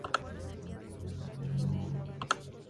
Únicamente salieron a la venta unas mil copias.